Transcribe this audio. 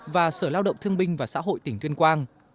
và sở lao động thương binh và xã hội tỉnh tuyên quang